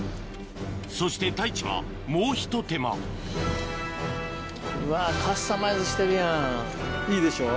そして太一はもうひと手間いいでしょ